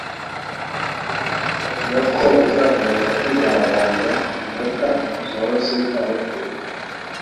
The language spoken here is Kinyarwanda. bavuga ko bazakomeza kwigaragambya mpaka Morsi arekuwe